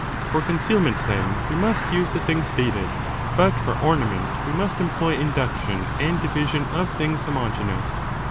. For concealment then, we must use the thing 0. rauction stated, but for ornament, we must employ induc and division to tion and division of things homogeneous.